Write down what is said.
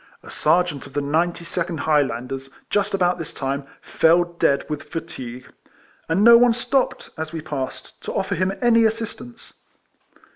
A Serjeant of the 92nd High landers, just about this time, fell dead with fatigue, and no one stopped, as we passed, to offer him any assistance.